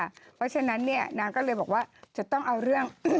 เพราะฉะนั้นเนี่ยนางก็เลยบอกว่าจะต้องเอาเรื่อง